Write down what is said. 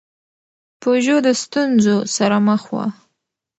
پژو د ستونزو سره مخ و.